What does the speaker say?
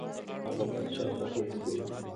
هغه پاچا په حیث پېژني.